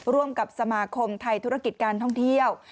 ร่วมกับสมาคมไทยธุรกิจการท่องเที่ยว